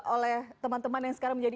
oleh teman teman yang sekarang menjadi